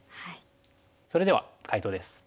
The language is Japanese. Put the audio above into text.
それでは解答です。